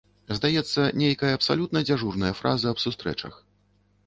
Здаецца, нейкая абсалютна дзяжурная фраза аб сустрэчах.